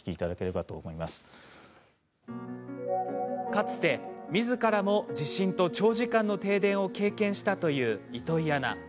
かつてみずからも地震と長時間の停電を経験した糸井アナ。